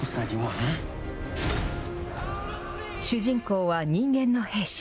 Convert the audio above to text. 主人公は人間の兵士。